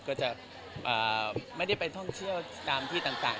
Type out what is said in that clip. ก็จะไม่ได้ไปท่องเที่ยวตามที่ต่าง